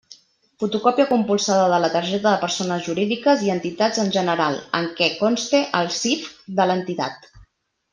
Fotocòpia compulsada de la targeta de persones jurídiques i entitats en general en què conste el CIF de l'entitat.